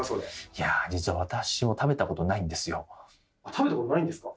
いや実は食べたことないんですか？